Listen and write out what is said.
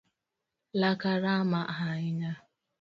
Laka rama ahinya.